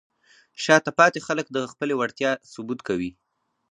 شاته پاتې خلک د خپلې وړتیا ثبوت کوي.